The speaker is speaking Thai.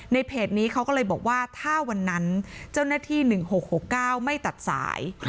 เพจนี้เขาก็เลยบอกว่าถ้าวันนั้นเจ้าหน้าที่๑๖๖๙ไม่ตัดสาย